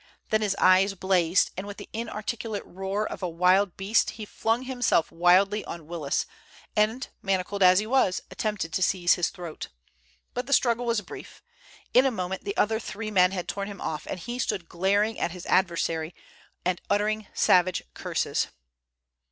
Then his eyes blazed, and with the inarticulate roar of a wild beast he flung himself wildly on Willis, and, manacled as he was, attempted to seize his throat. But the struggle was brief. In a moment the three other men had torn him off, and he stood glaring at his adversary, and uttering savage curses.